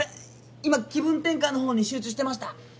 今気分転換のほうに集中してました